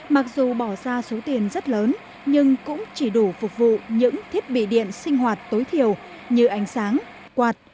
mặc dù bỏ ra số tiền rất lớn nhưng cũng chỉ đủ phục vụ những thiết bị điện sinh hoạt tối thiểu như ánh sáng quạt